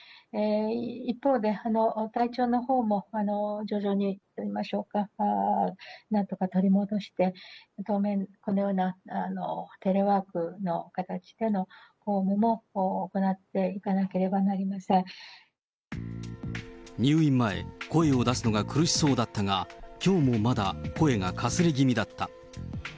一方で、体調のほうも徐々にと言いましょうか、なんとか取り戻して、当面、このようなテレワークの形での公務も行っていかなければなりませ入院前、声を出すのが苦しそうだったが、きょうもまだ声がかすれ気味だった。